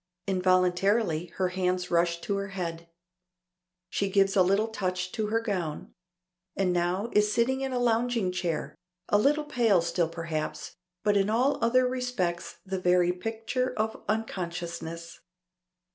Involuntarily her hands rush to her head. She gives a little touch to her gown. And now is sitting in a lounging chair, a little pale still perhaps, but in all other respects the very picture of unconsciousness.